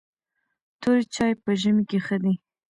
توري چای په ژمي کې ښه دي .